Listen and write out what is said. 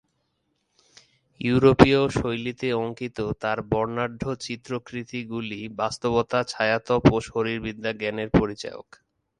ইউরোপীয় শৈলীতে অঙ্কিত তাঁর বর্ণাঢ্য চিত্রকৃতিগুলি বাস্তবতা, ছায়াতপ ও শরীরবিদ্যা জ্ঞানের পরিচায়ক।